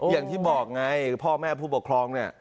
อย่างที่บอกไงพ่อแม่ผู้ปกครองเนี่ย